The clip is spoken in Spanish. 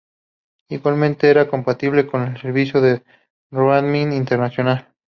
Igualmente era compatible con servicios de Roaming internacional.